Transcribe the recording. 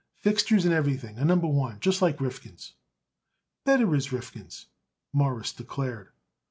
"Fixtures and everything A Number One, just like Rifkin's." "Better as Rifkin's," Morris declared.